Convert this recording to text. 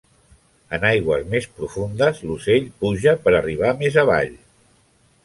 En aigües més profundes, l'ocell puja per arribar més avall.